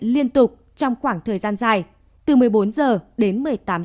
liên tục trong khoảng thời gian dài từ một mươi bốn h đến một mươi tám h